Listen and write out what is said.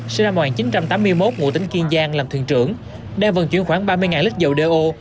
sinh năm một nghìn chín trăm tám mươi một ngụ tính kiên giang làm thuyền trưởng đang vận chuyển khoảng ba mươi lít dầu do